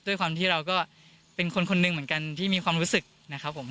ด้วยความที่เราก็เป็นคนคนหนึ่งเหมือนกันที่มีความรู้สึกนะครับผม